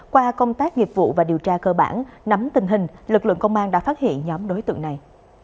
qua công tác nghiệp vụ và điều tra cơ bản nắm tình hình lực lượng công an đã phát hiện nhóm đối tượng này